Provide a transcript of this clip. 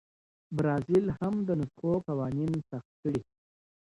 برازیل هم د نسخو قوانین سخت کړي.